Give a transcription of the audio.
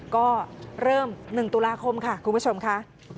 ก็เริ่ม๑ตุลาคมค่ะคุณผู้ชมค่ะ